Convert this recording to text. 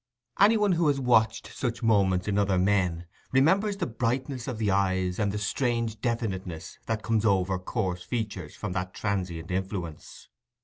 Any one who has watched such moments in other men remembers the brightness of the eyes and the strange definiteness that comes over coarse features from that transient influence.